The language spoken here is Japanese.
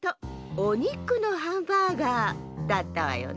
おにくのハンバーガーだったわよね。